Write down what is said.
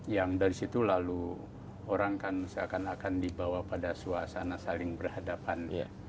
yang dari situ lalu orang kan seakan akan dibawa pada suasana saling berhadapan